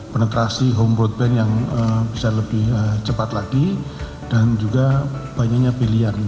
penetrasi home roadband yang bisa lebih cepat lagi dan juga banyaknya pilihan